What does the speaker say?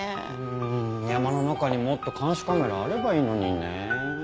うん山の中にもっと監視カメラあればいいのにねえ。